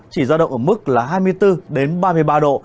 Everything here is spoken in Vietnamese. chỉ ra động ở mức là hai mươi bốn đến ba mươi ba độ